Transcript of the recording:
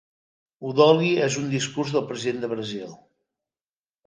Udoli en un discurs del president del Brasil.